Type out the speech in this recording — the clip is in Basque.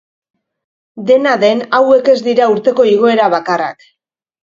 Dena den, hauek ez dira urteko igoera bakarrak.